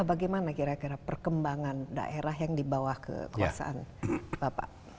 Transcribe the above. bagaimana kira kira perkembangan daerah yang dibawa kekuasaan bapak